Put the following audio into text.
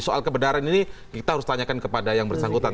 soal kebenaran ini kita harus tanyakan kepada yang bersangkutan